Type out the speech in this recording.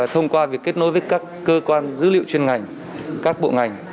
thông qua việc kết nối với các cơ quan dữ liệu chuyên ngành các bộ ngành